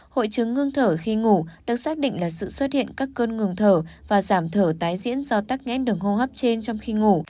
hội chứng ngưng thở khi ngủ được xác định là sự xuất hiện các cơn ngừng thở và giảm thở tái diễn do tắc nghẽn đường hô hấp trên trong khi ngủ